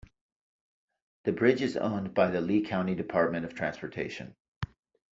The bridge is owned by the Lee County Department of Transportation.